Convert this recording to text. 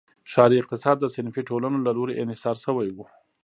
ښاري اقتصاد د صنفي ټولنو له لوري انحصار شوی و.